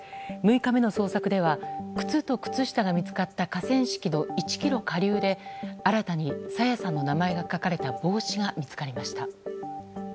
６日目の捜索では靴と靴下が見つかった河川敷の１ｋｍ下流で新たに朝芽さんの名前が書かれた帽子が見つかりました。